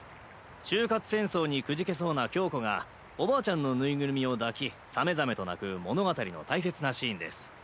就活戦争にくじけそうな響子がおばあちゃんの縫いぐるみを抱きさめざめと泣く物語の大切なシーンです。